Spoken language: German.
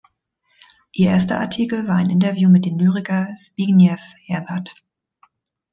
Ihr erster Artikel war ein Interview mit dem Lyriker Zbigniew Herbert.